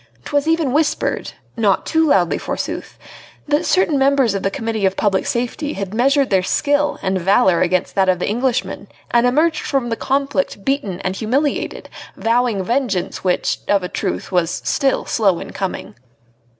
'Twas even whispered not too loudly, forsooth that certain members of the Committee of Public Safety had measured their skill and valour against that of the Englishman and emerged from the conflict beaten and humiliated, vowing vengeance which, of a truth, was still slow in coming.